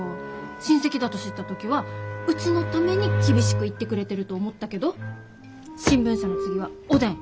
親戚だと知った時はうちのために厳しく言ってくれてると思ったけど新聞社の次はおでん。